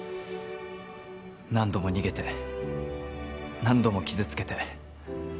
何度も逃げて何度も傷つけて本当にごめん。